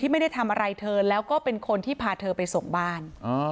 ไม่ได้ทำอะไรเธอแล้วก็เป็นคนที่พาเธอไปส่งบ้าน